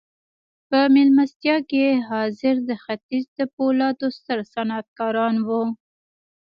په مېلمستیا کې حاضر د ختیځ د پولادو ستر صنعتکاران وو